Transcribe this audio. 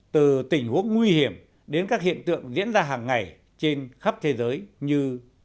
từ tình huống nguy hiểm đến các hiện tượng diễn ra hàng ngày trên khắp thế giới như